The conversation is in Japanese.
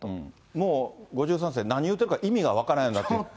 もう５３世、何言うてるか、意味が分からんようになって。